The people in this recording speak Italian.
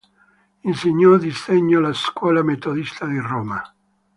Insegnò Disegno alla Scuola metodista di Roma.